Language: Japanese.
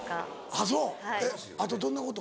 あぁそうあとどんなこと？